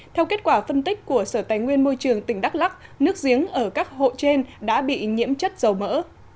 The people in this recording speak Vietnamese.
theo kết quả phân tích của sở tài nguyên môi trường tỉnh đắk lắc nước giếng ở các hộ trên đã bị nhiễm chất dầu mỡ